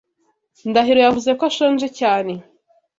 Ndahiro yavuze ko ashonje cyane.